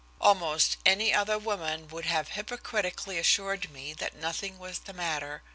Almost any other woman would have hypocritically assured me that nothing was the matter.